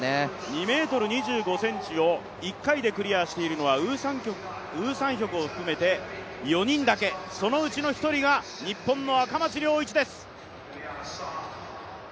２ｍ２５ｃｍを１回でクリアしているのはウ・サンヒョクを含めて４人だけ、そのうちの１人が日本の赤松諒一です。